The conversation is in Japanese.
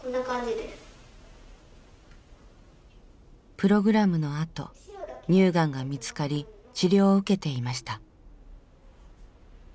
プログラムのあと乳がんが見つかり治療を受けていました。